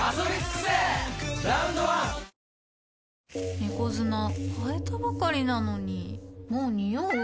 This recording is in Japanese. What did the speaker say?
猫砂替えたばかりなのにもうニオう？